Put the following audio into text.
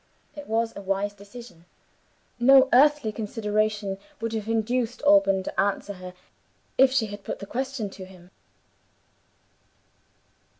It was a wise decision. No earthly consideration would have induced Alban to answer her, if she had put the question to him.